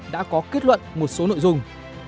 đã có kết luận một số nội dung